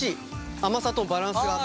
甘さとバランスがあって。